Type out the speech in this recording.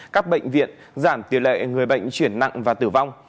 các bệnh viện giảm tỷ lệ người bệnh chuyển nặng và tử vong